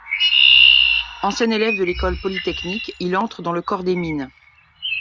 Ancien élève de l'École polytechnique, il entre dans le Corps des mines.